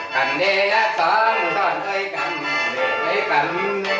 กันเด่ย่าสอนสอนไว้กันสอนแก่กัน